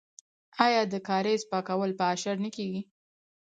آیا د کاریز پاکول په اشر نه کیږي؟